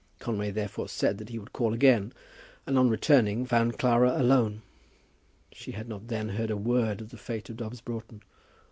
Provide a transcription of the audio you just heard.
Conway therefore said that he would call again, and on returning found Clara alone. She had not then heard a word of the fate of Dobbs Broughton.